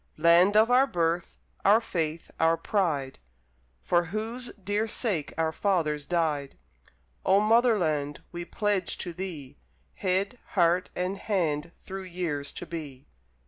Land of our Birth, our faith, our pride, For whose dear sake our fathers died, Oh Motherland, we pledge to thee, Head, heart, and hand through years to be!